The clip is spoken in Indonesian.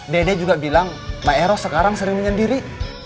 dede juga bilang pak eros sekarang sering menyendiri